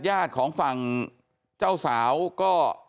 ญาติของฝั่งเจ้าสาวก็